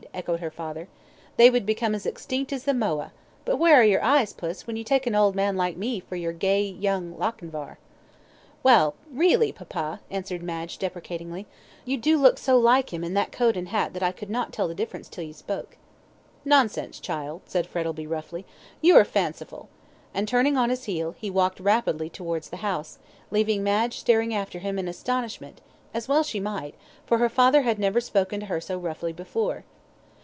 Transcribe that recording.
echoed her father. "They would become as extinct as the moa; but where are your eyes, Puss, when you take an old man like me for your gay young Lochinvar?" "Well, really, papa," answered Madge, deprecatingly, "you do look so like him in that coat and hat that I could not tell the difference, till you spoke." "Nonsense, child," said Frettlby, roughly, "you are fanciful;" and turning on his heel, he walked rapidly towards the house, leaving Madge staring after him in astonishment, as well she might, for her father had never spoken to her so roughly before.